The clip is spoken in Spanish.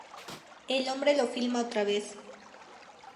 El hombre lo filma otra vez.